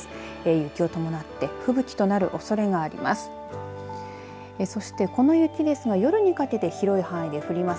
雪を伴って吹雪となるおそれがあります。